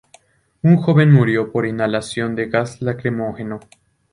Un joven murió por inhalación de gas lacrimógeno.